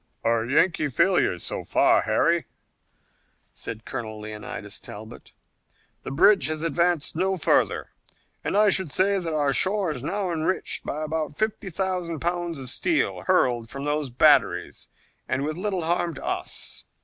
"A Yankee failure so far, Harry," said Colonel Leonidas Talbot. "The bridge has advanced no further, and I should say that our shore is now enriched by about fifty thousand pounds of steel hurled from those batteries and with little harm to us."